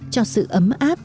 cho sự ấm áp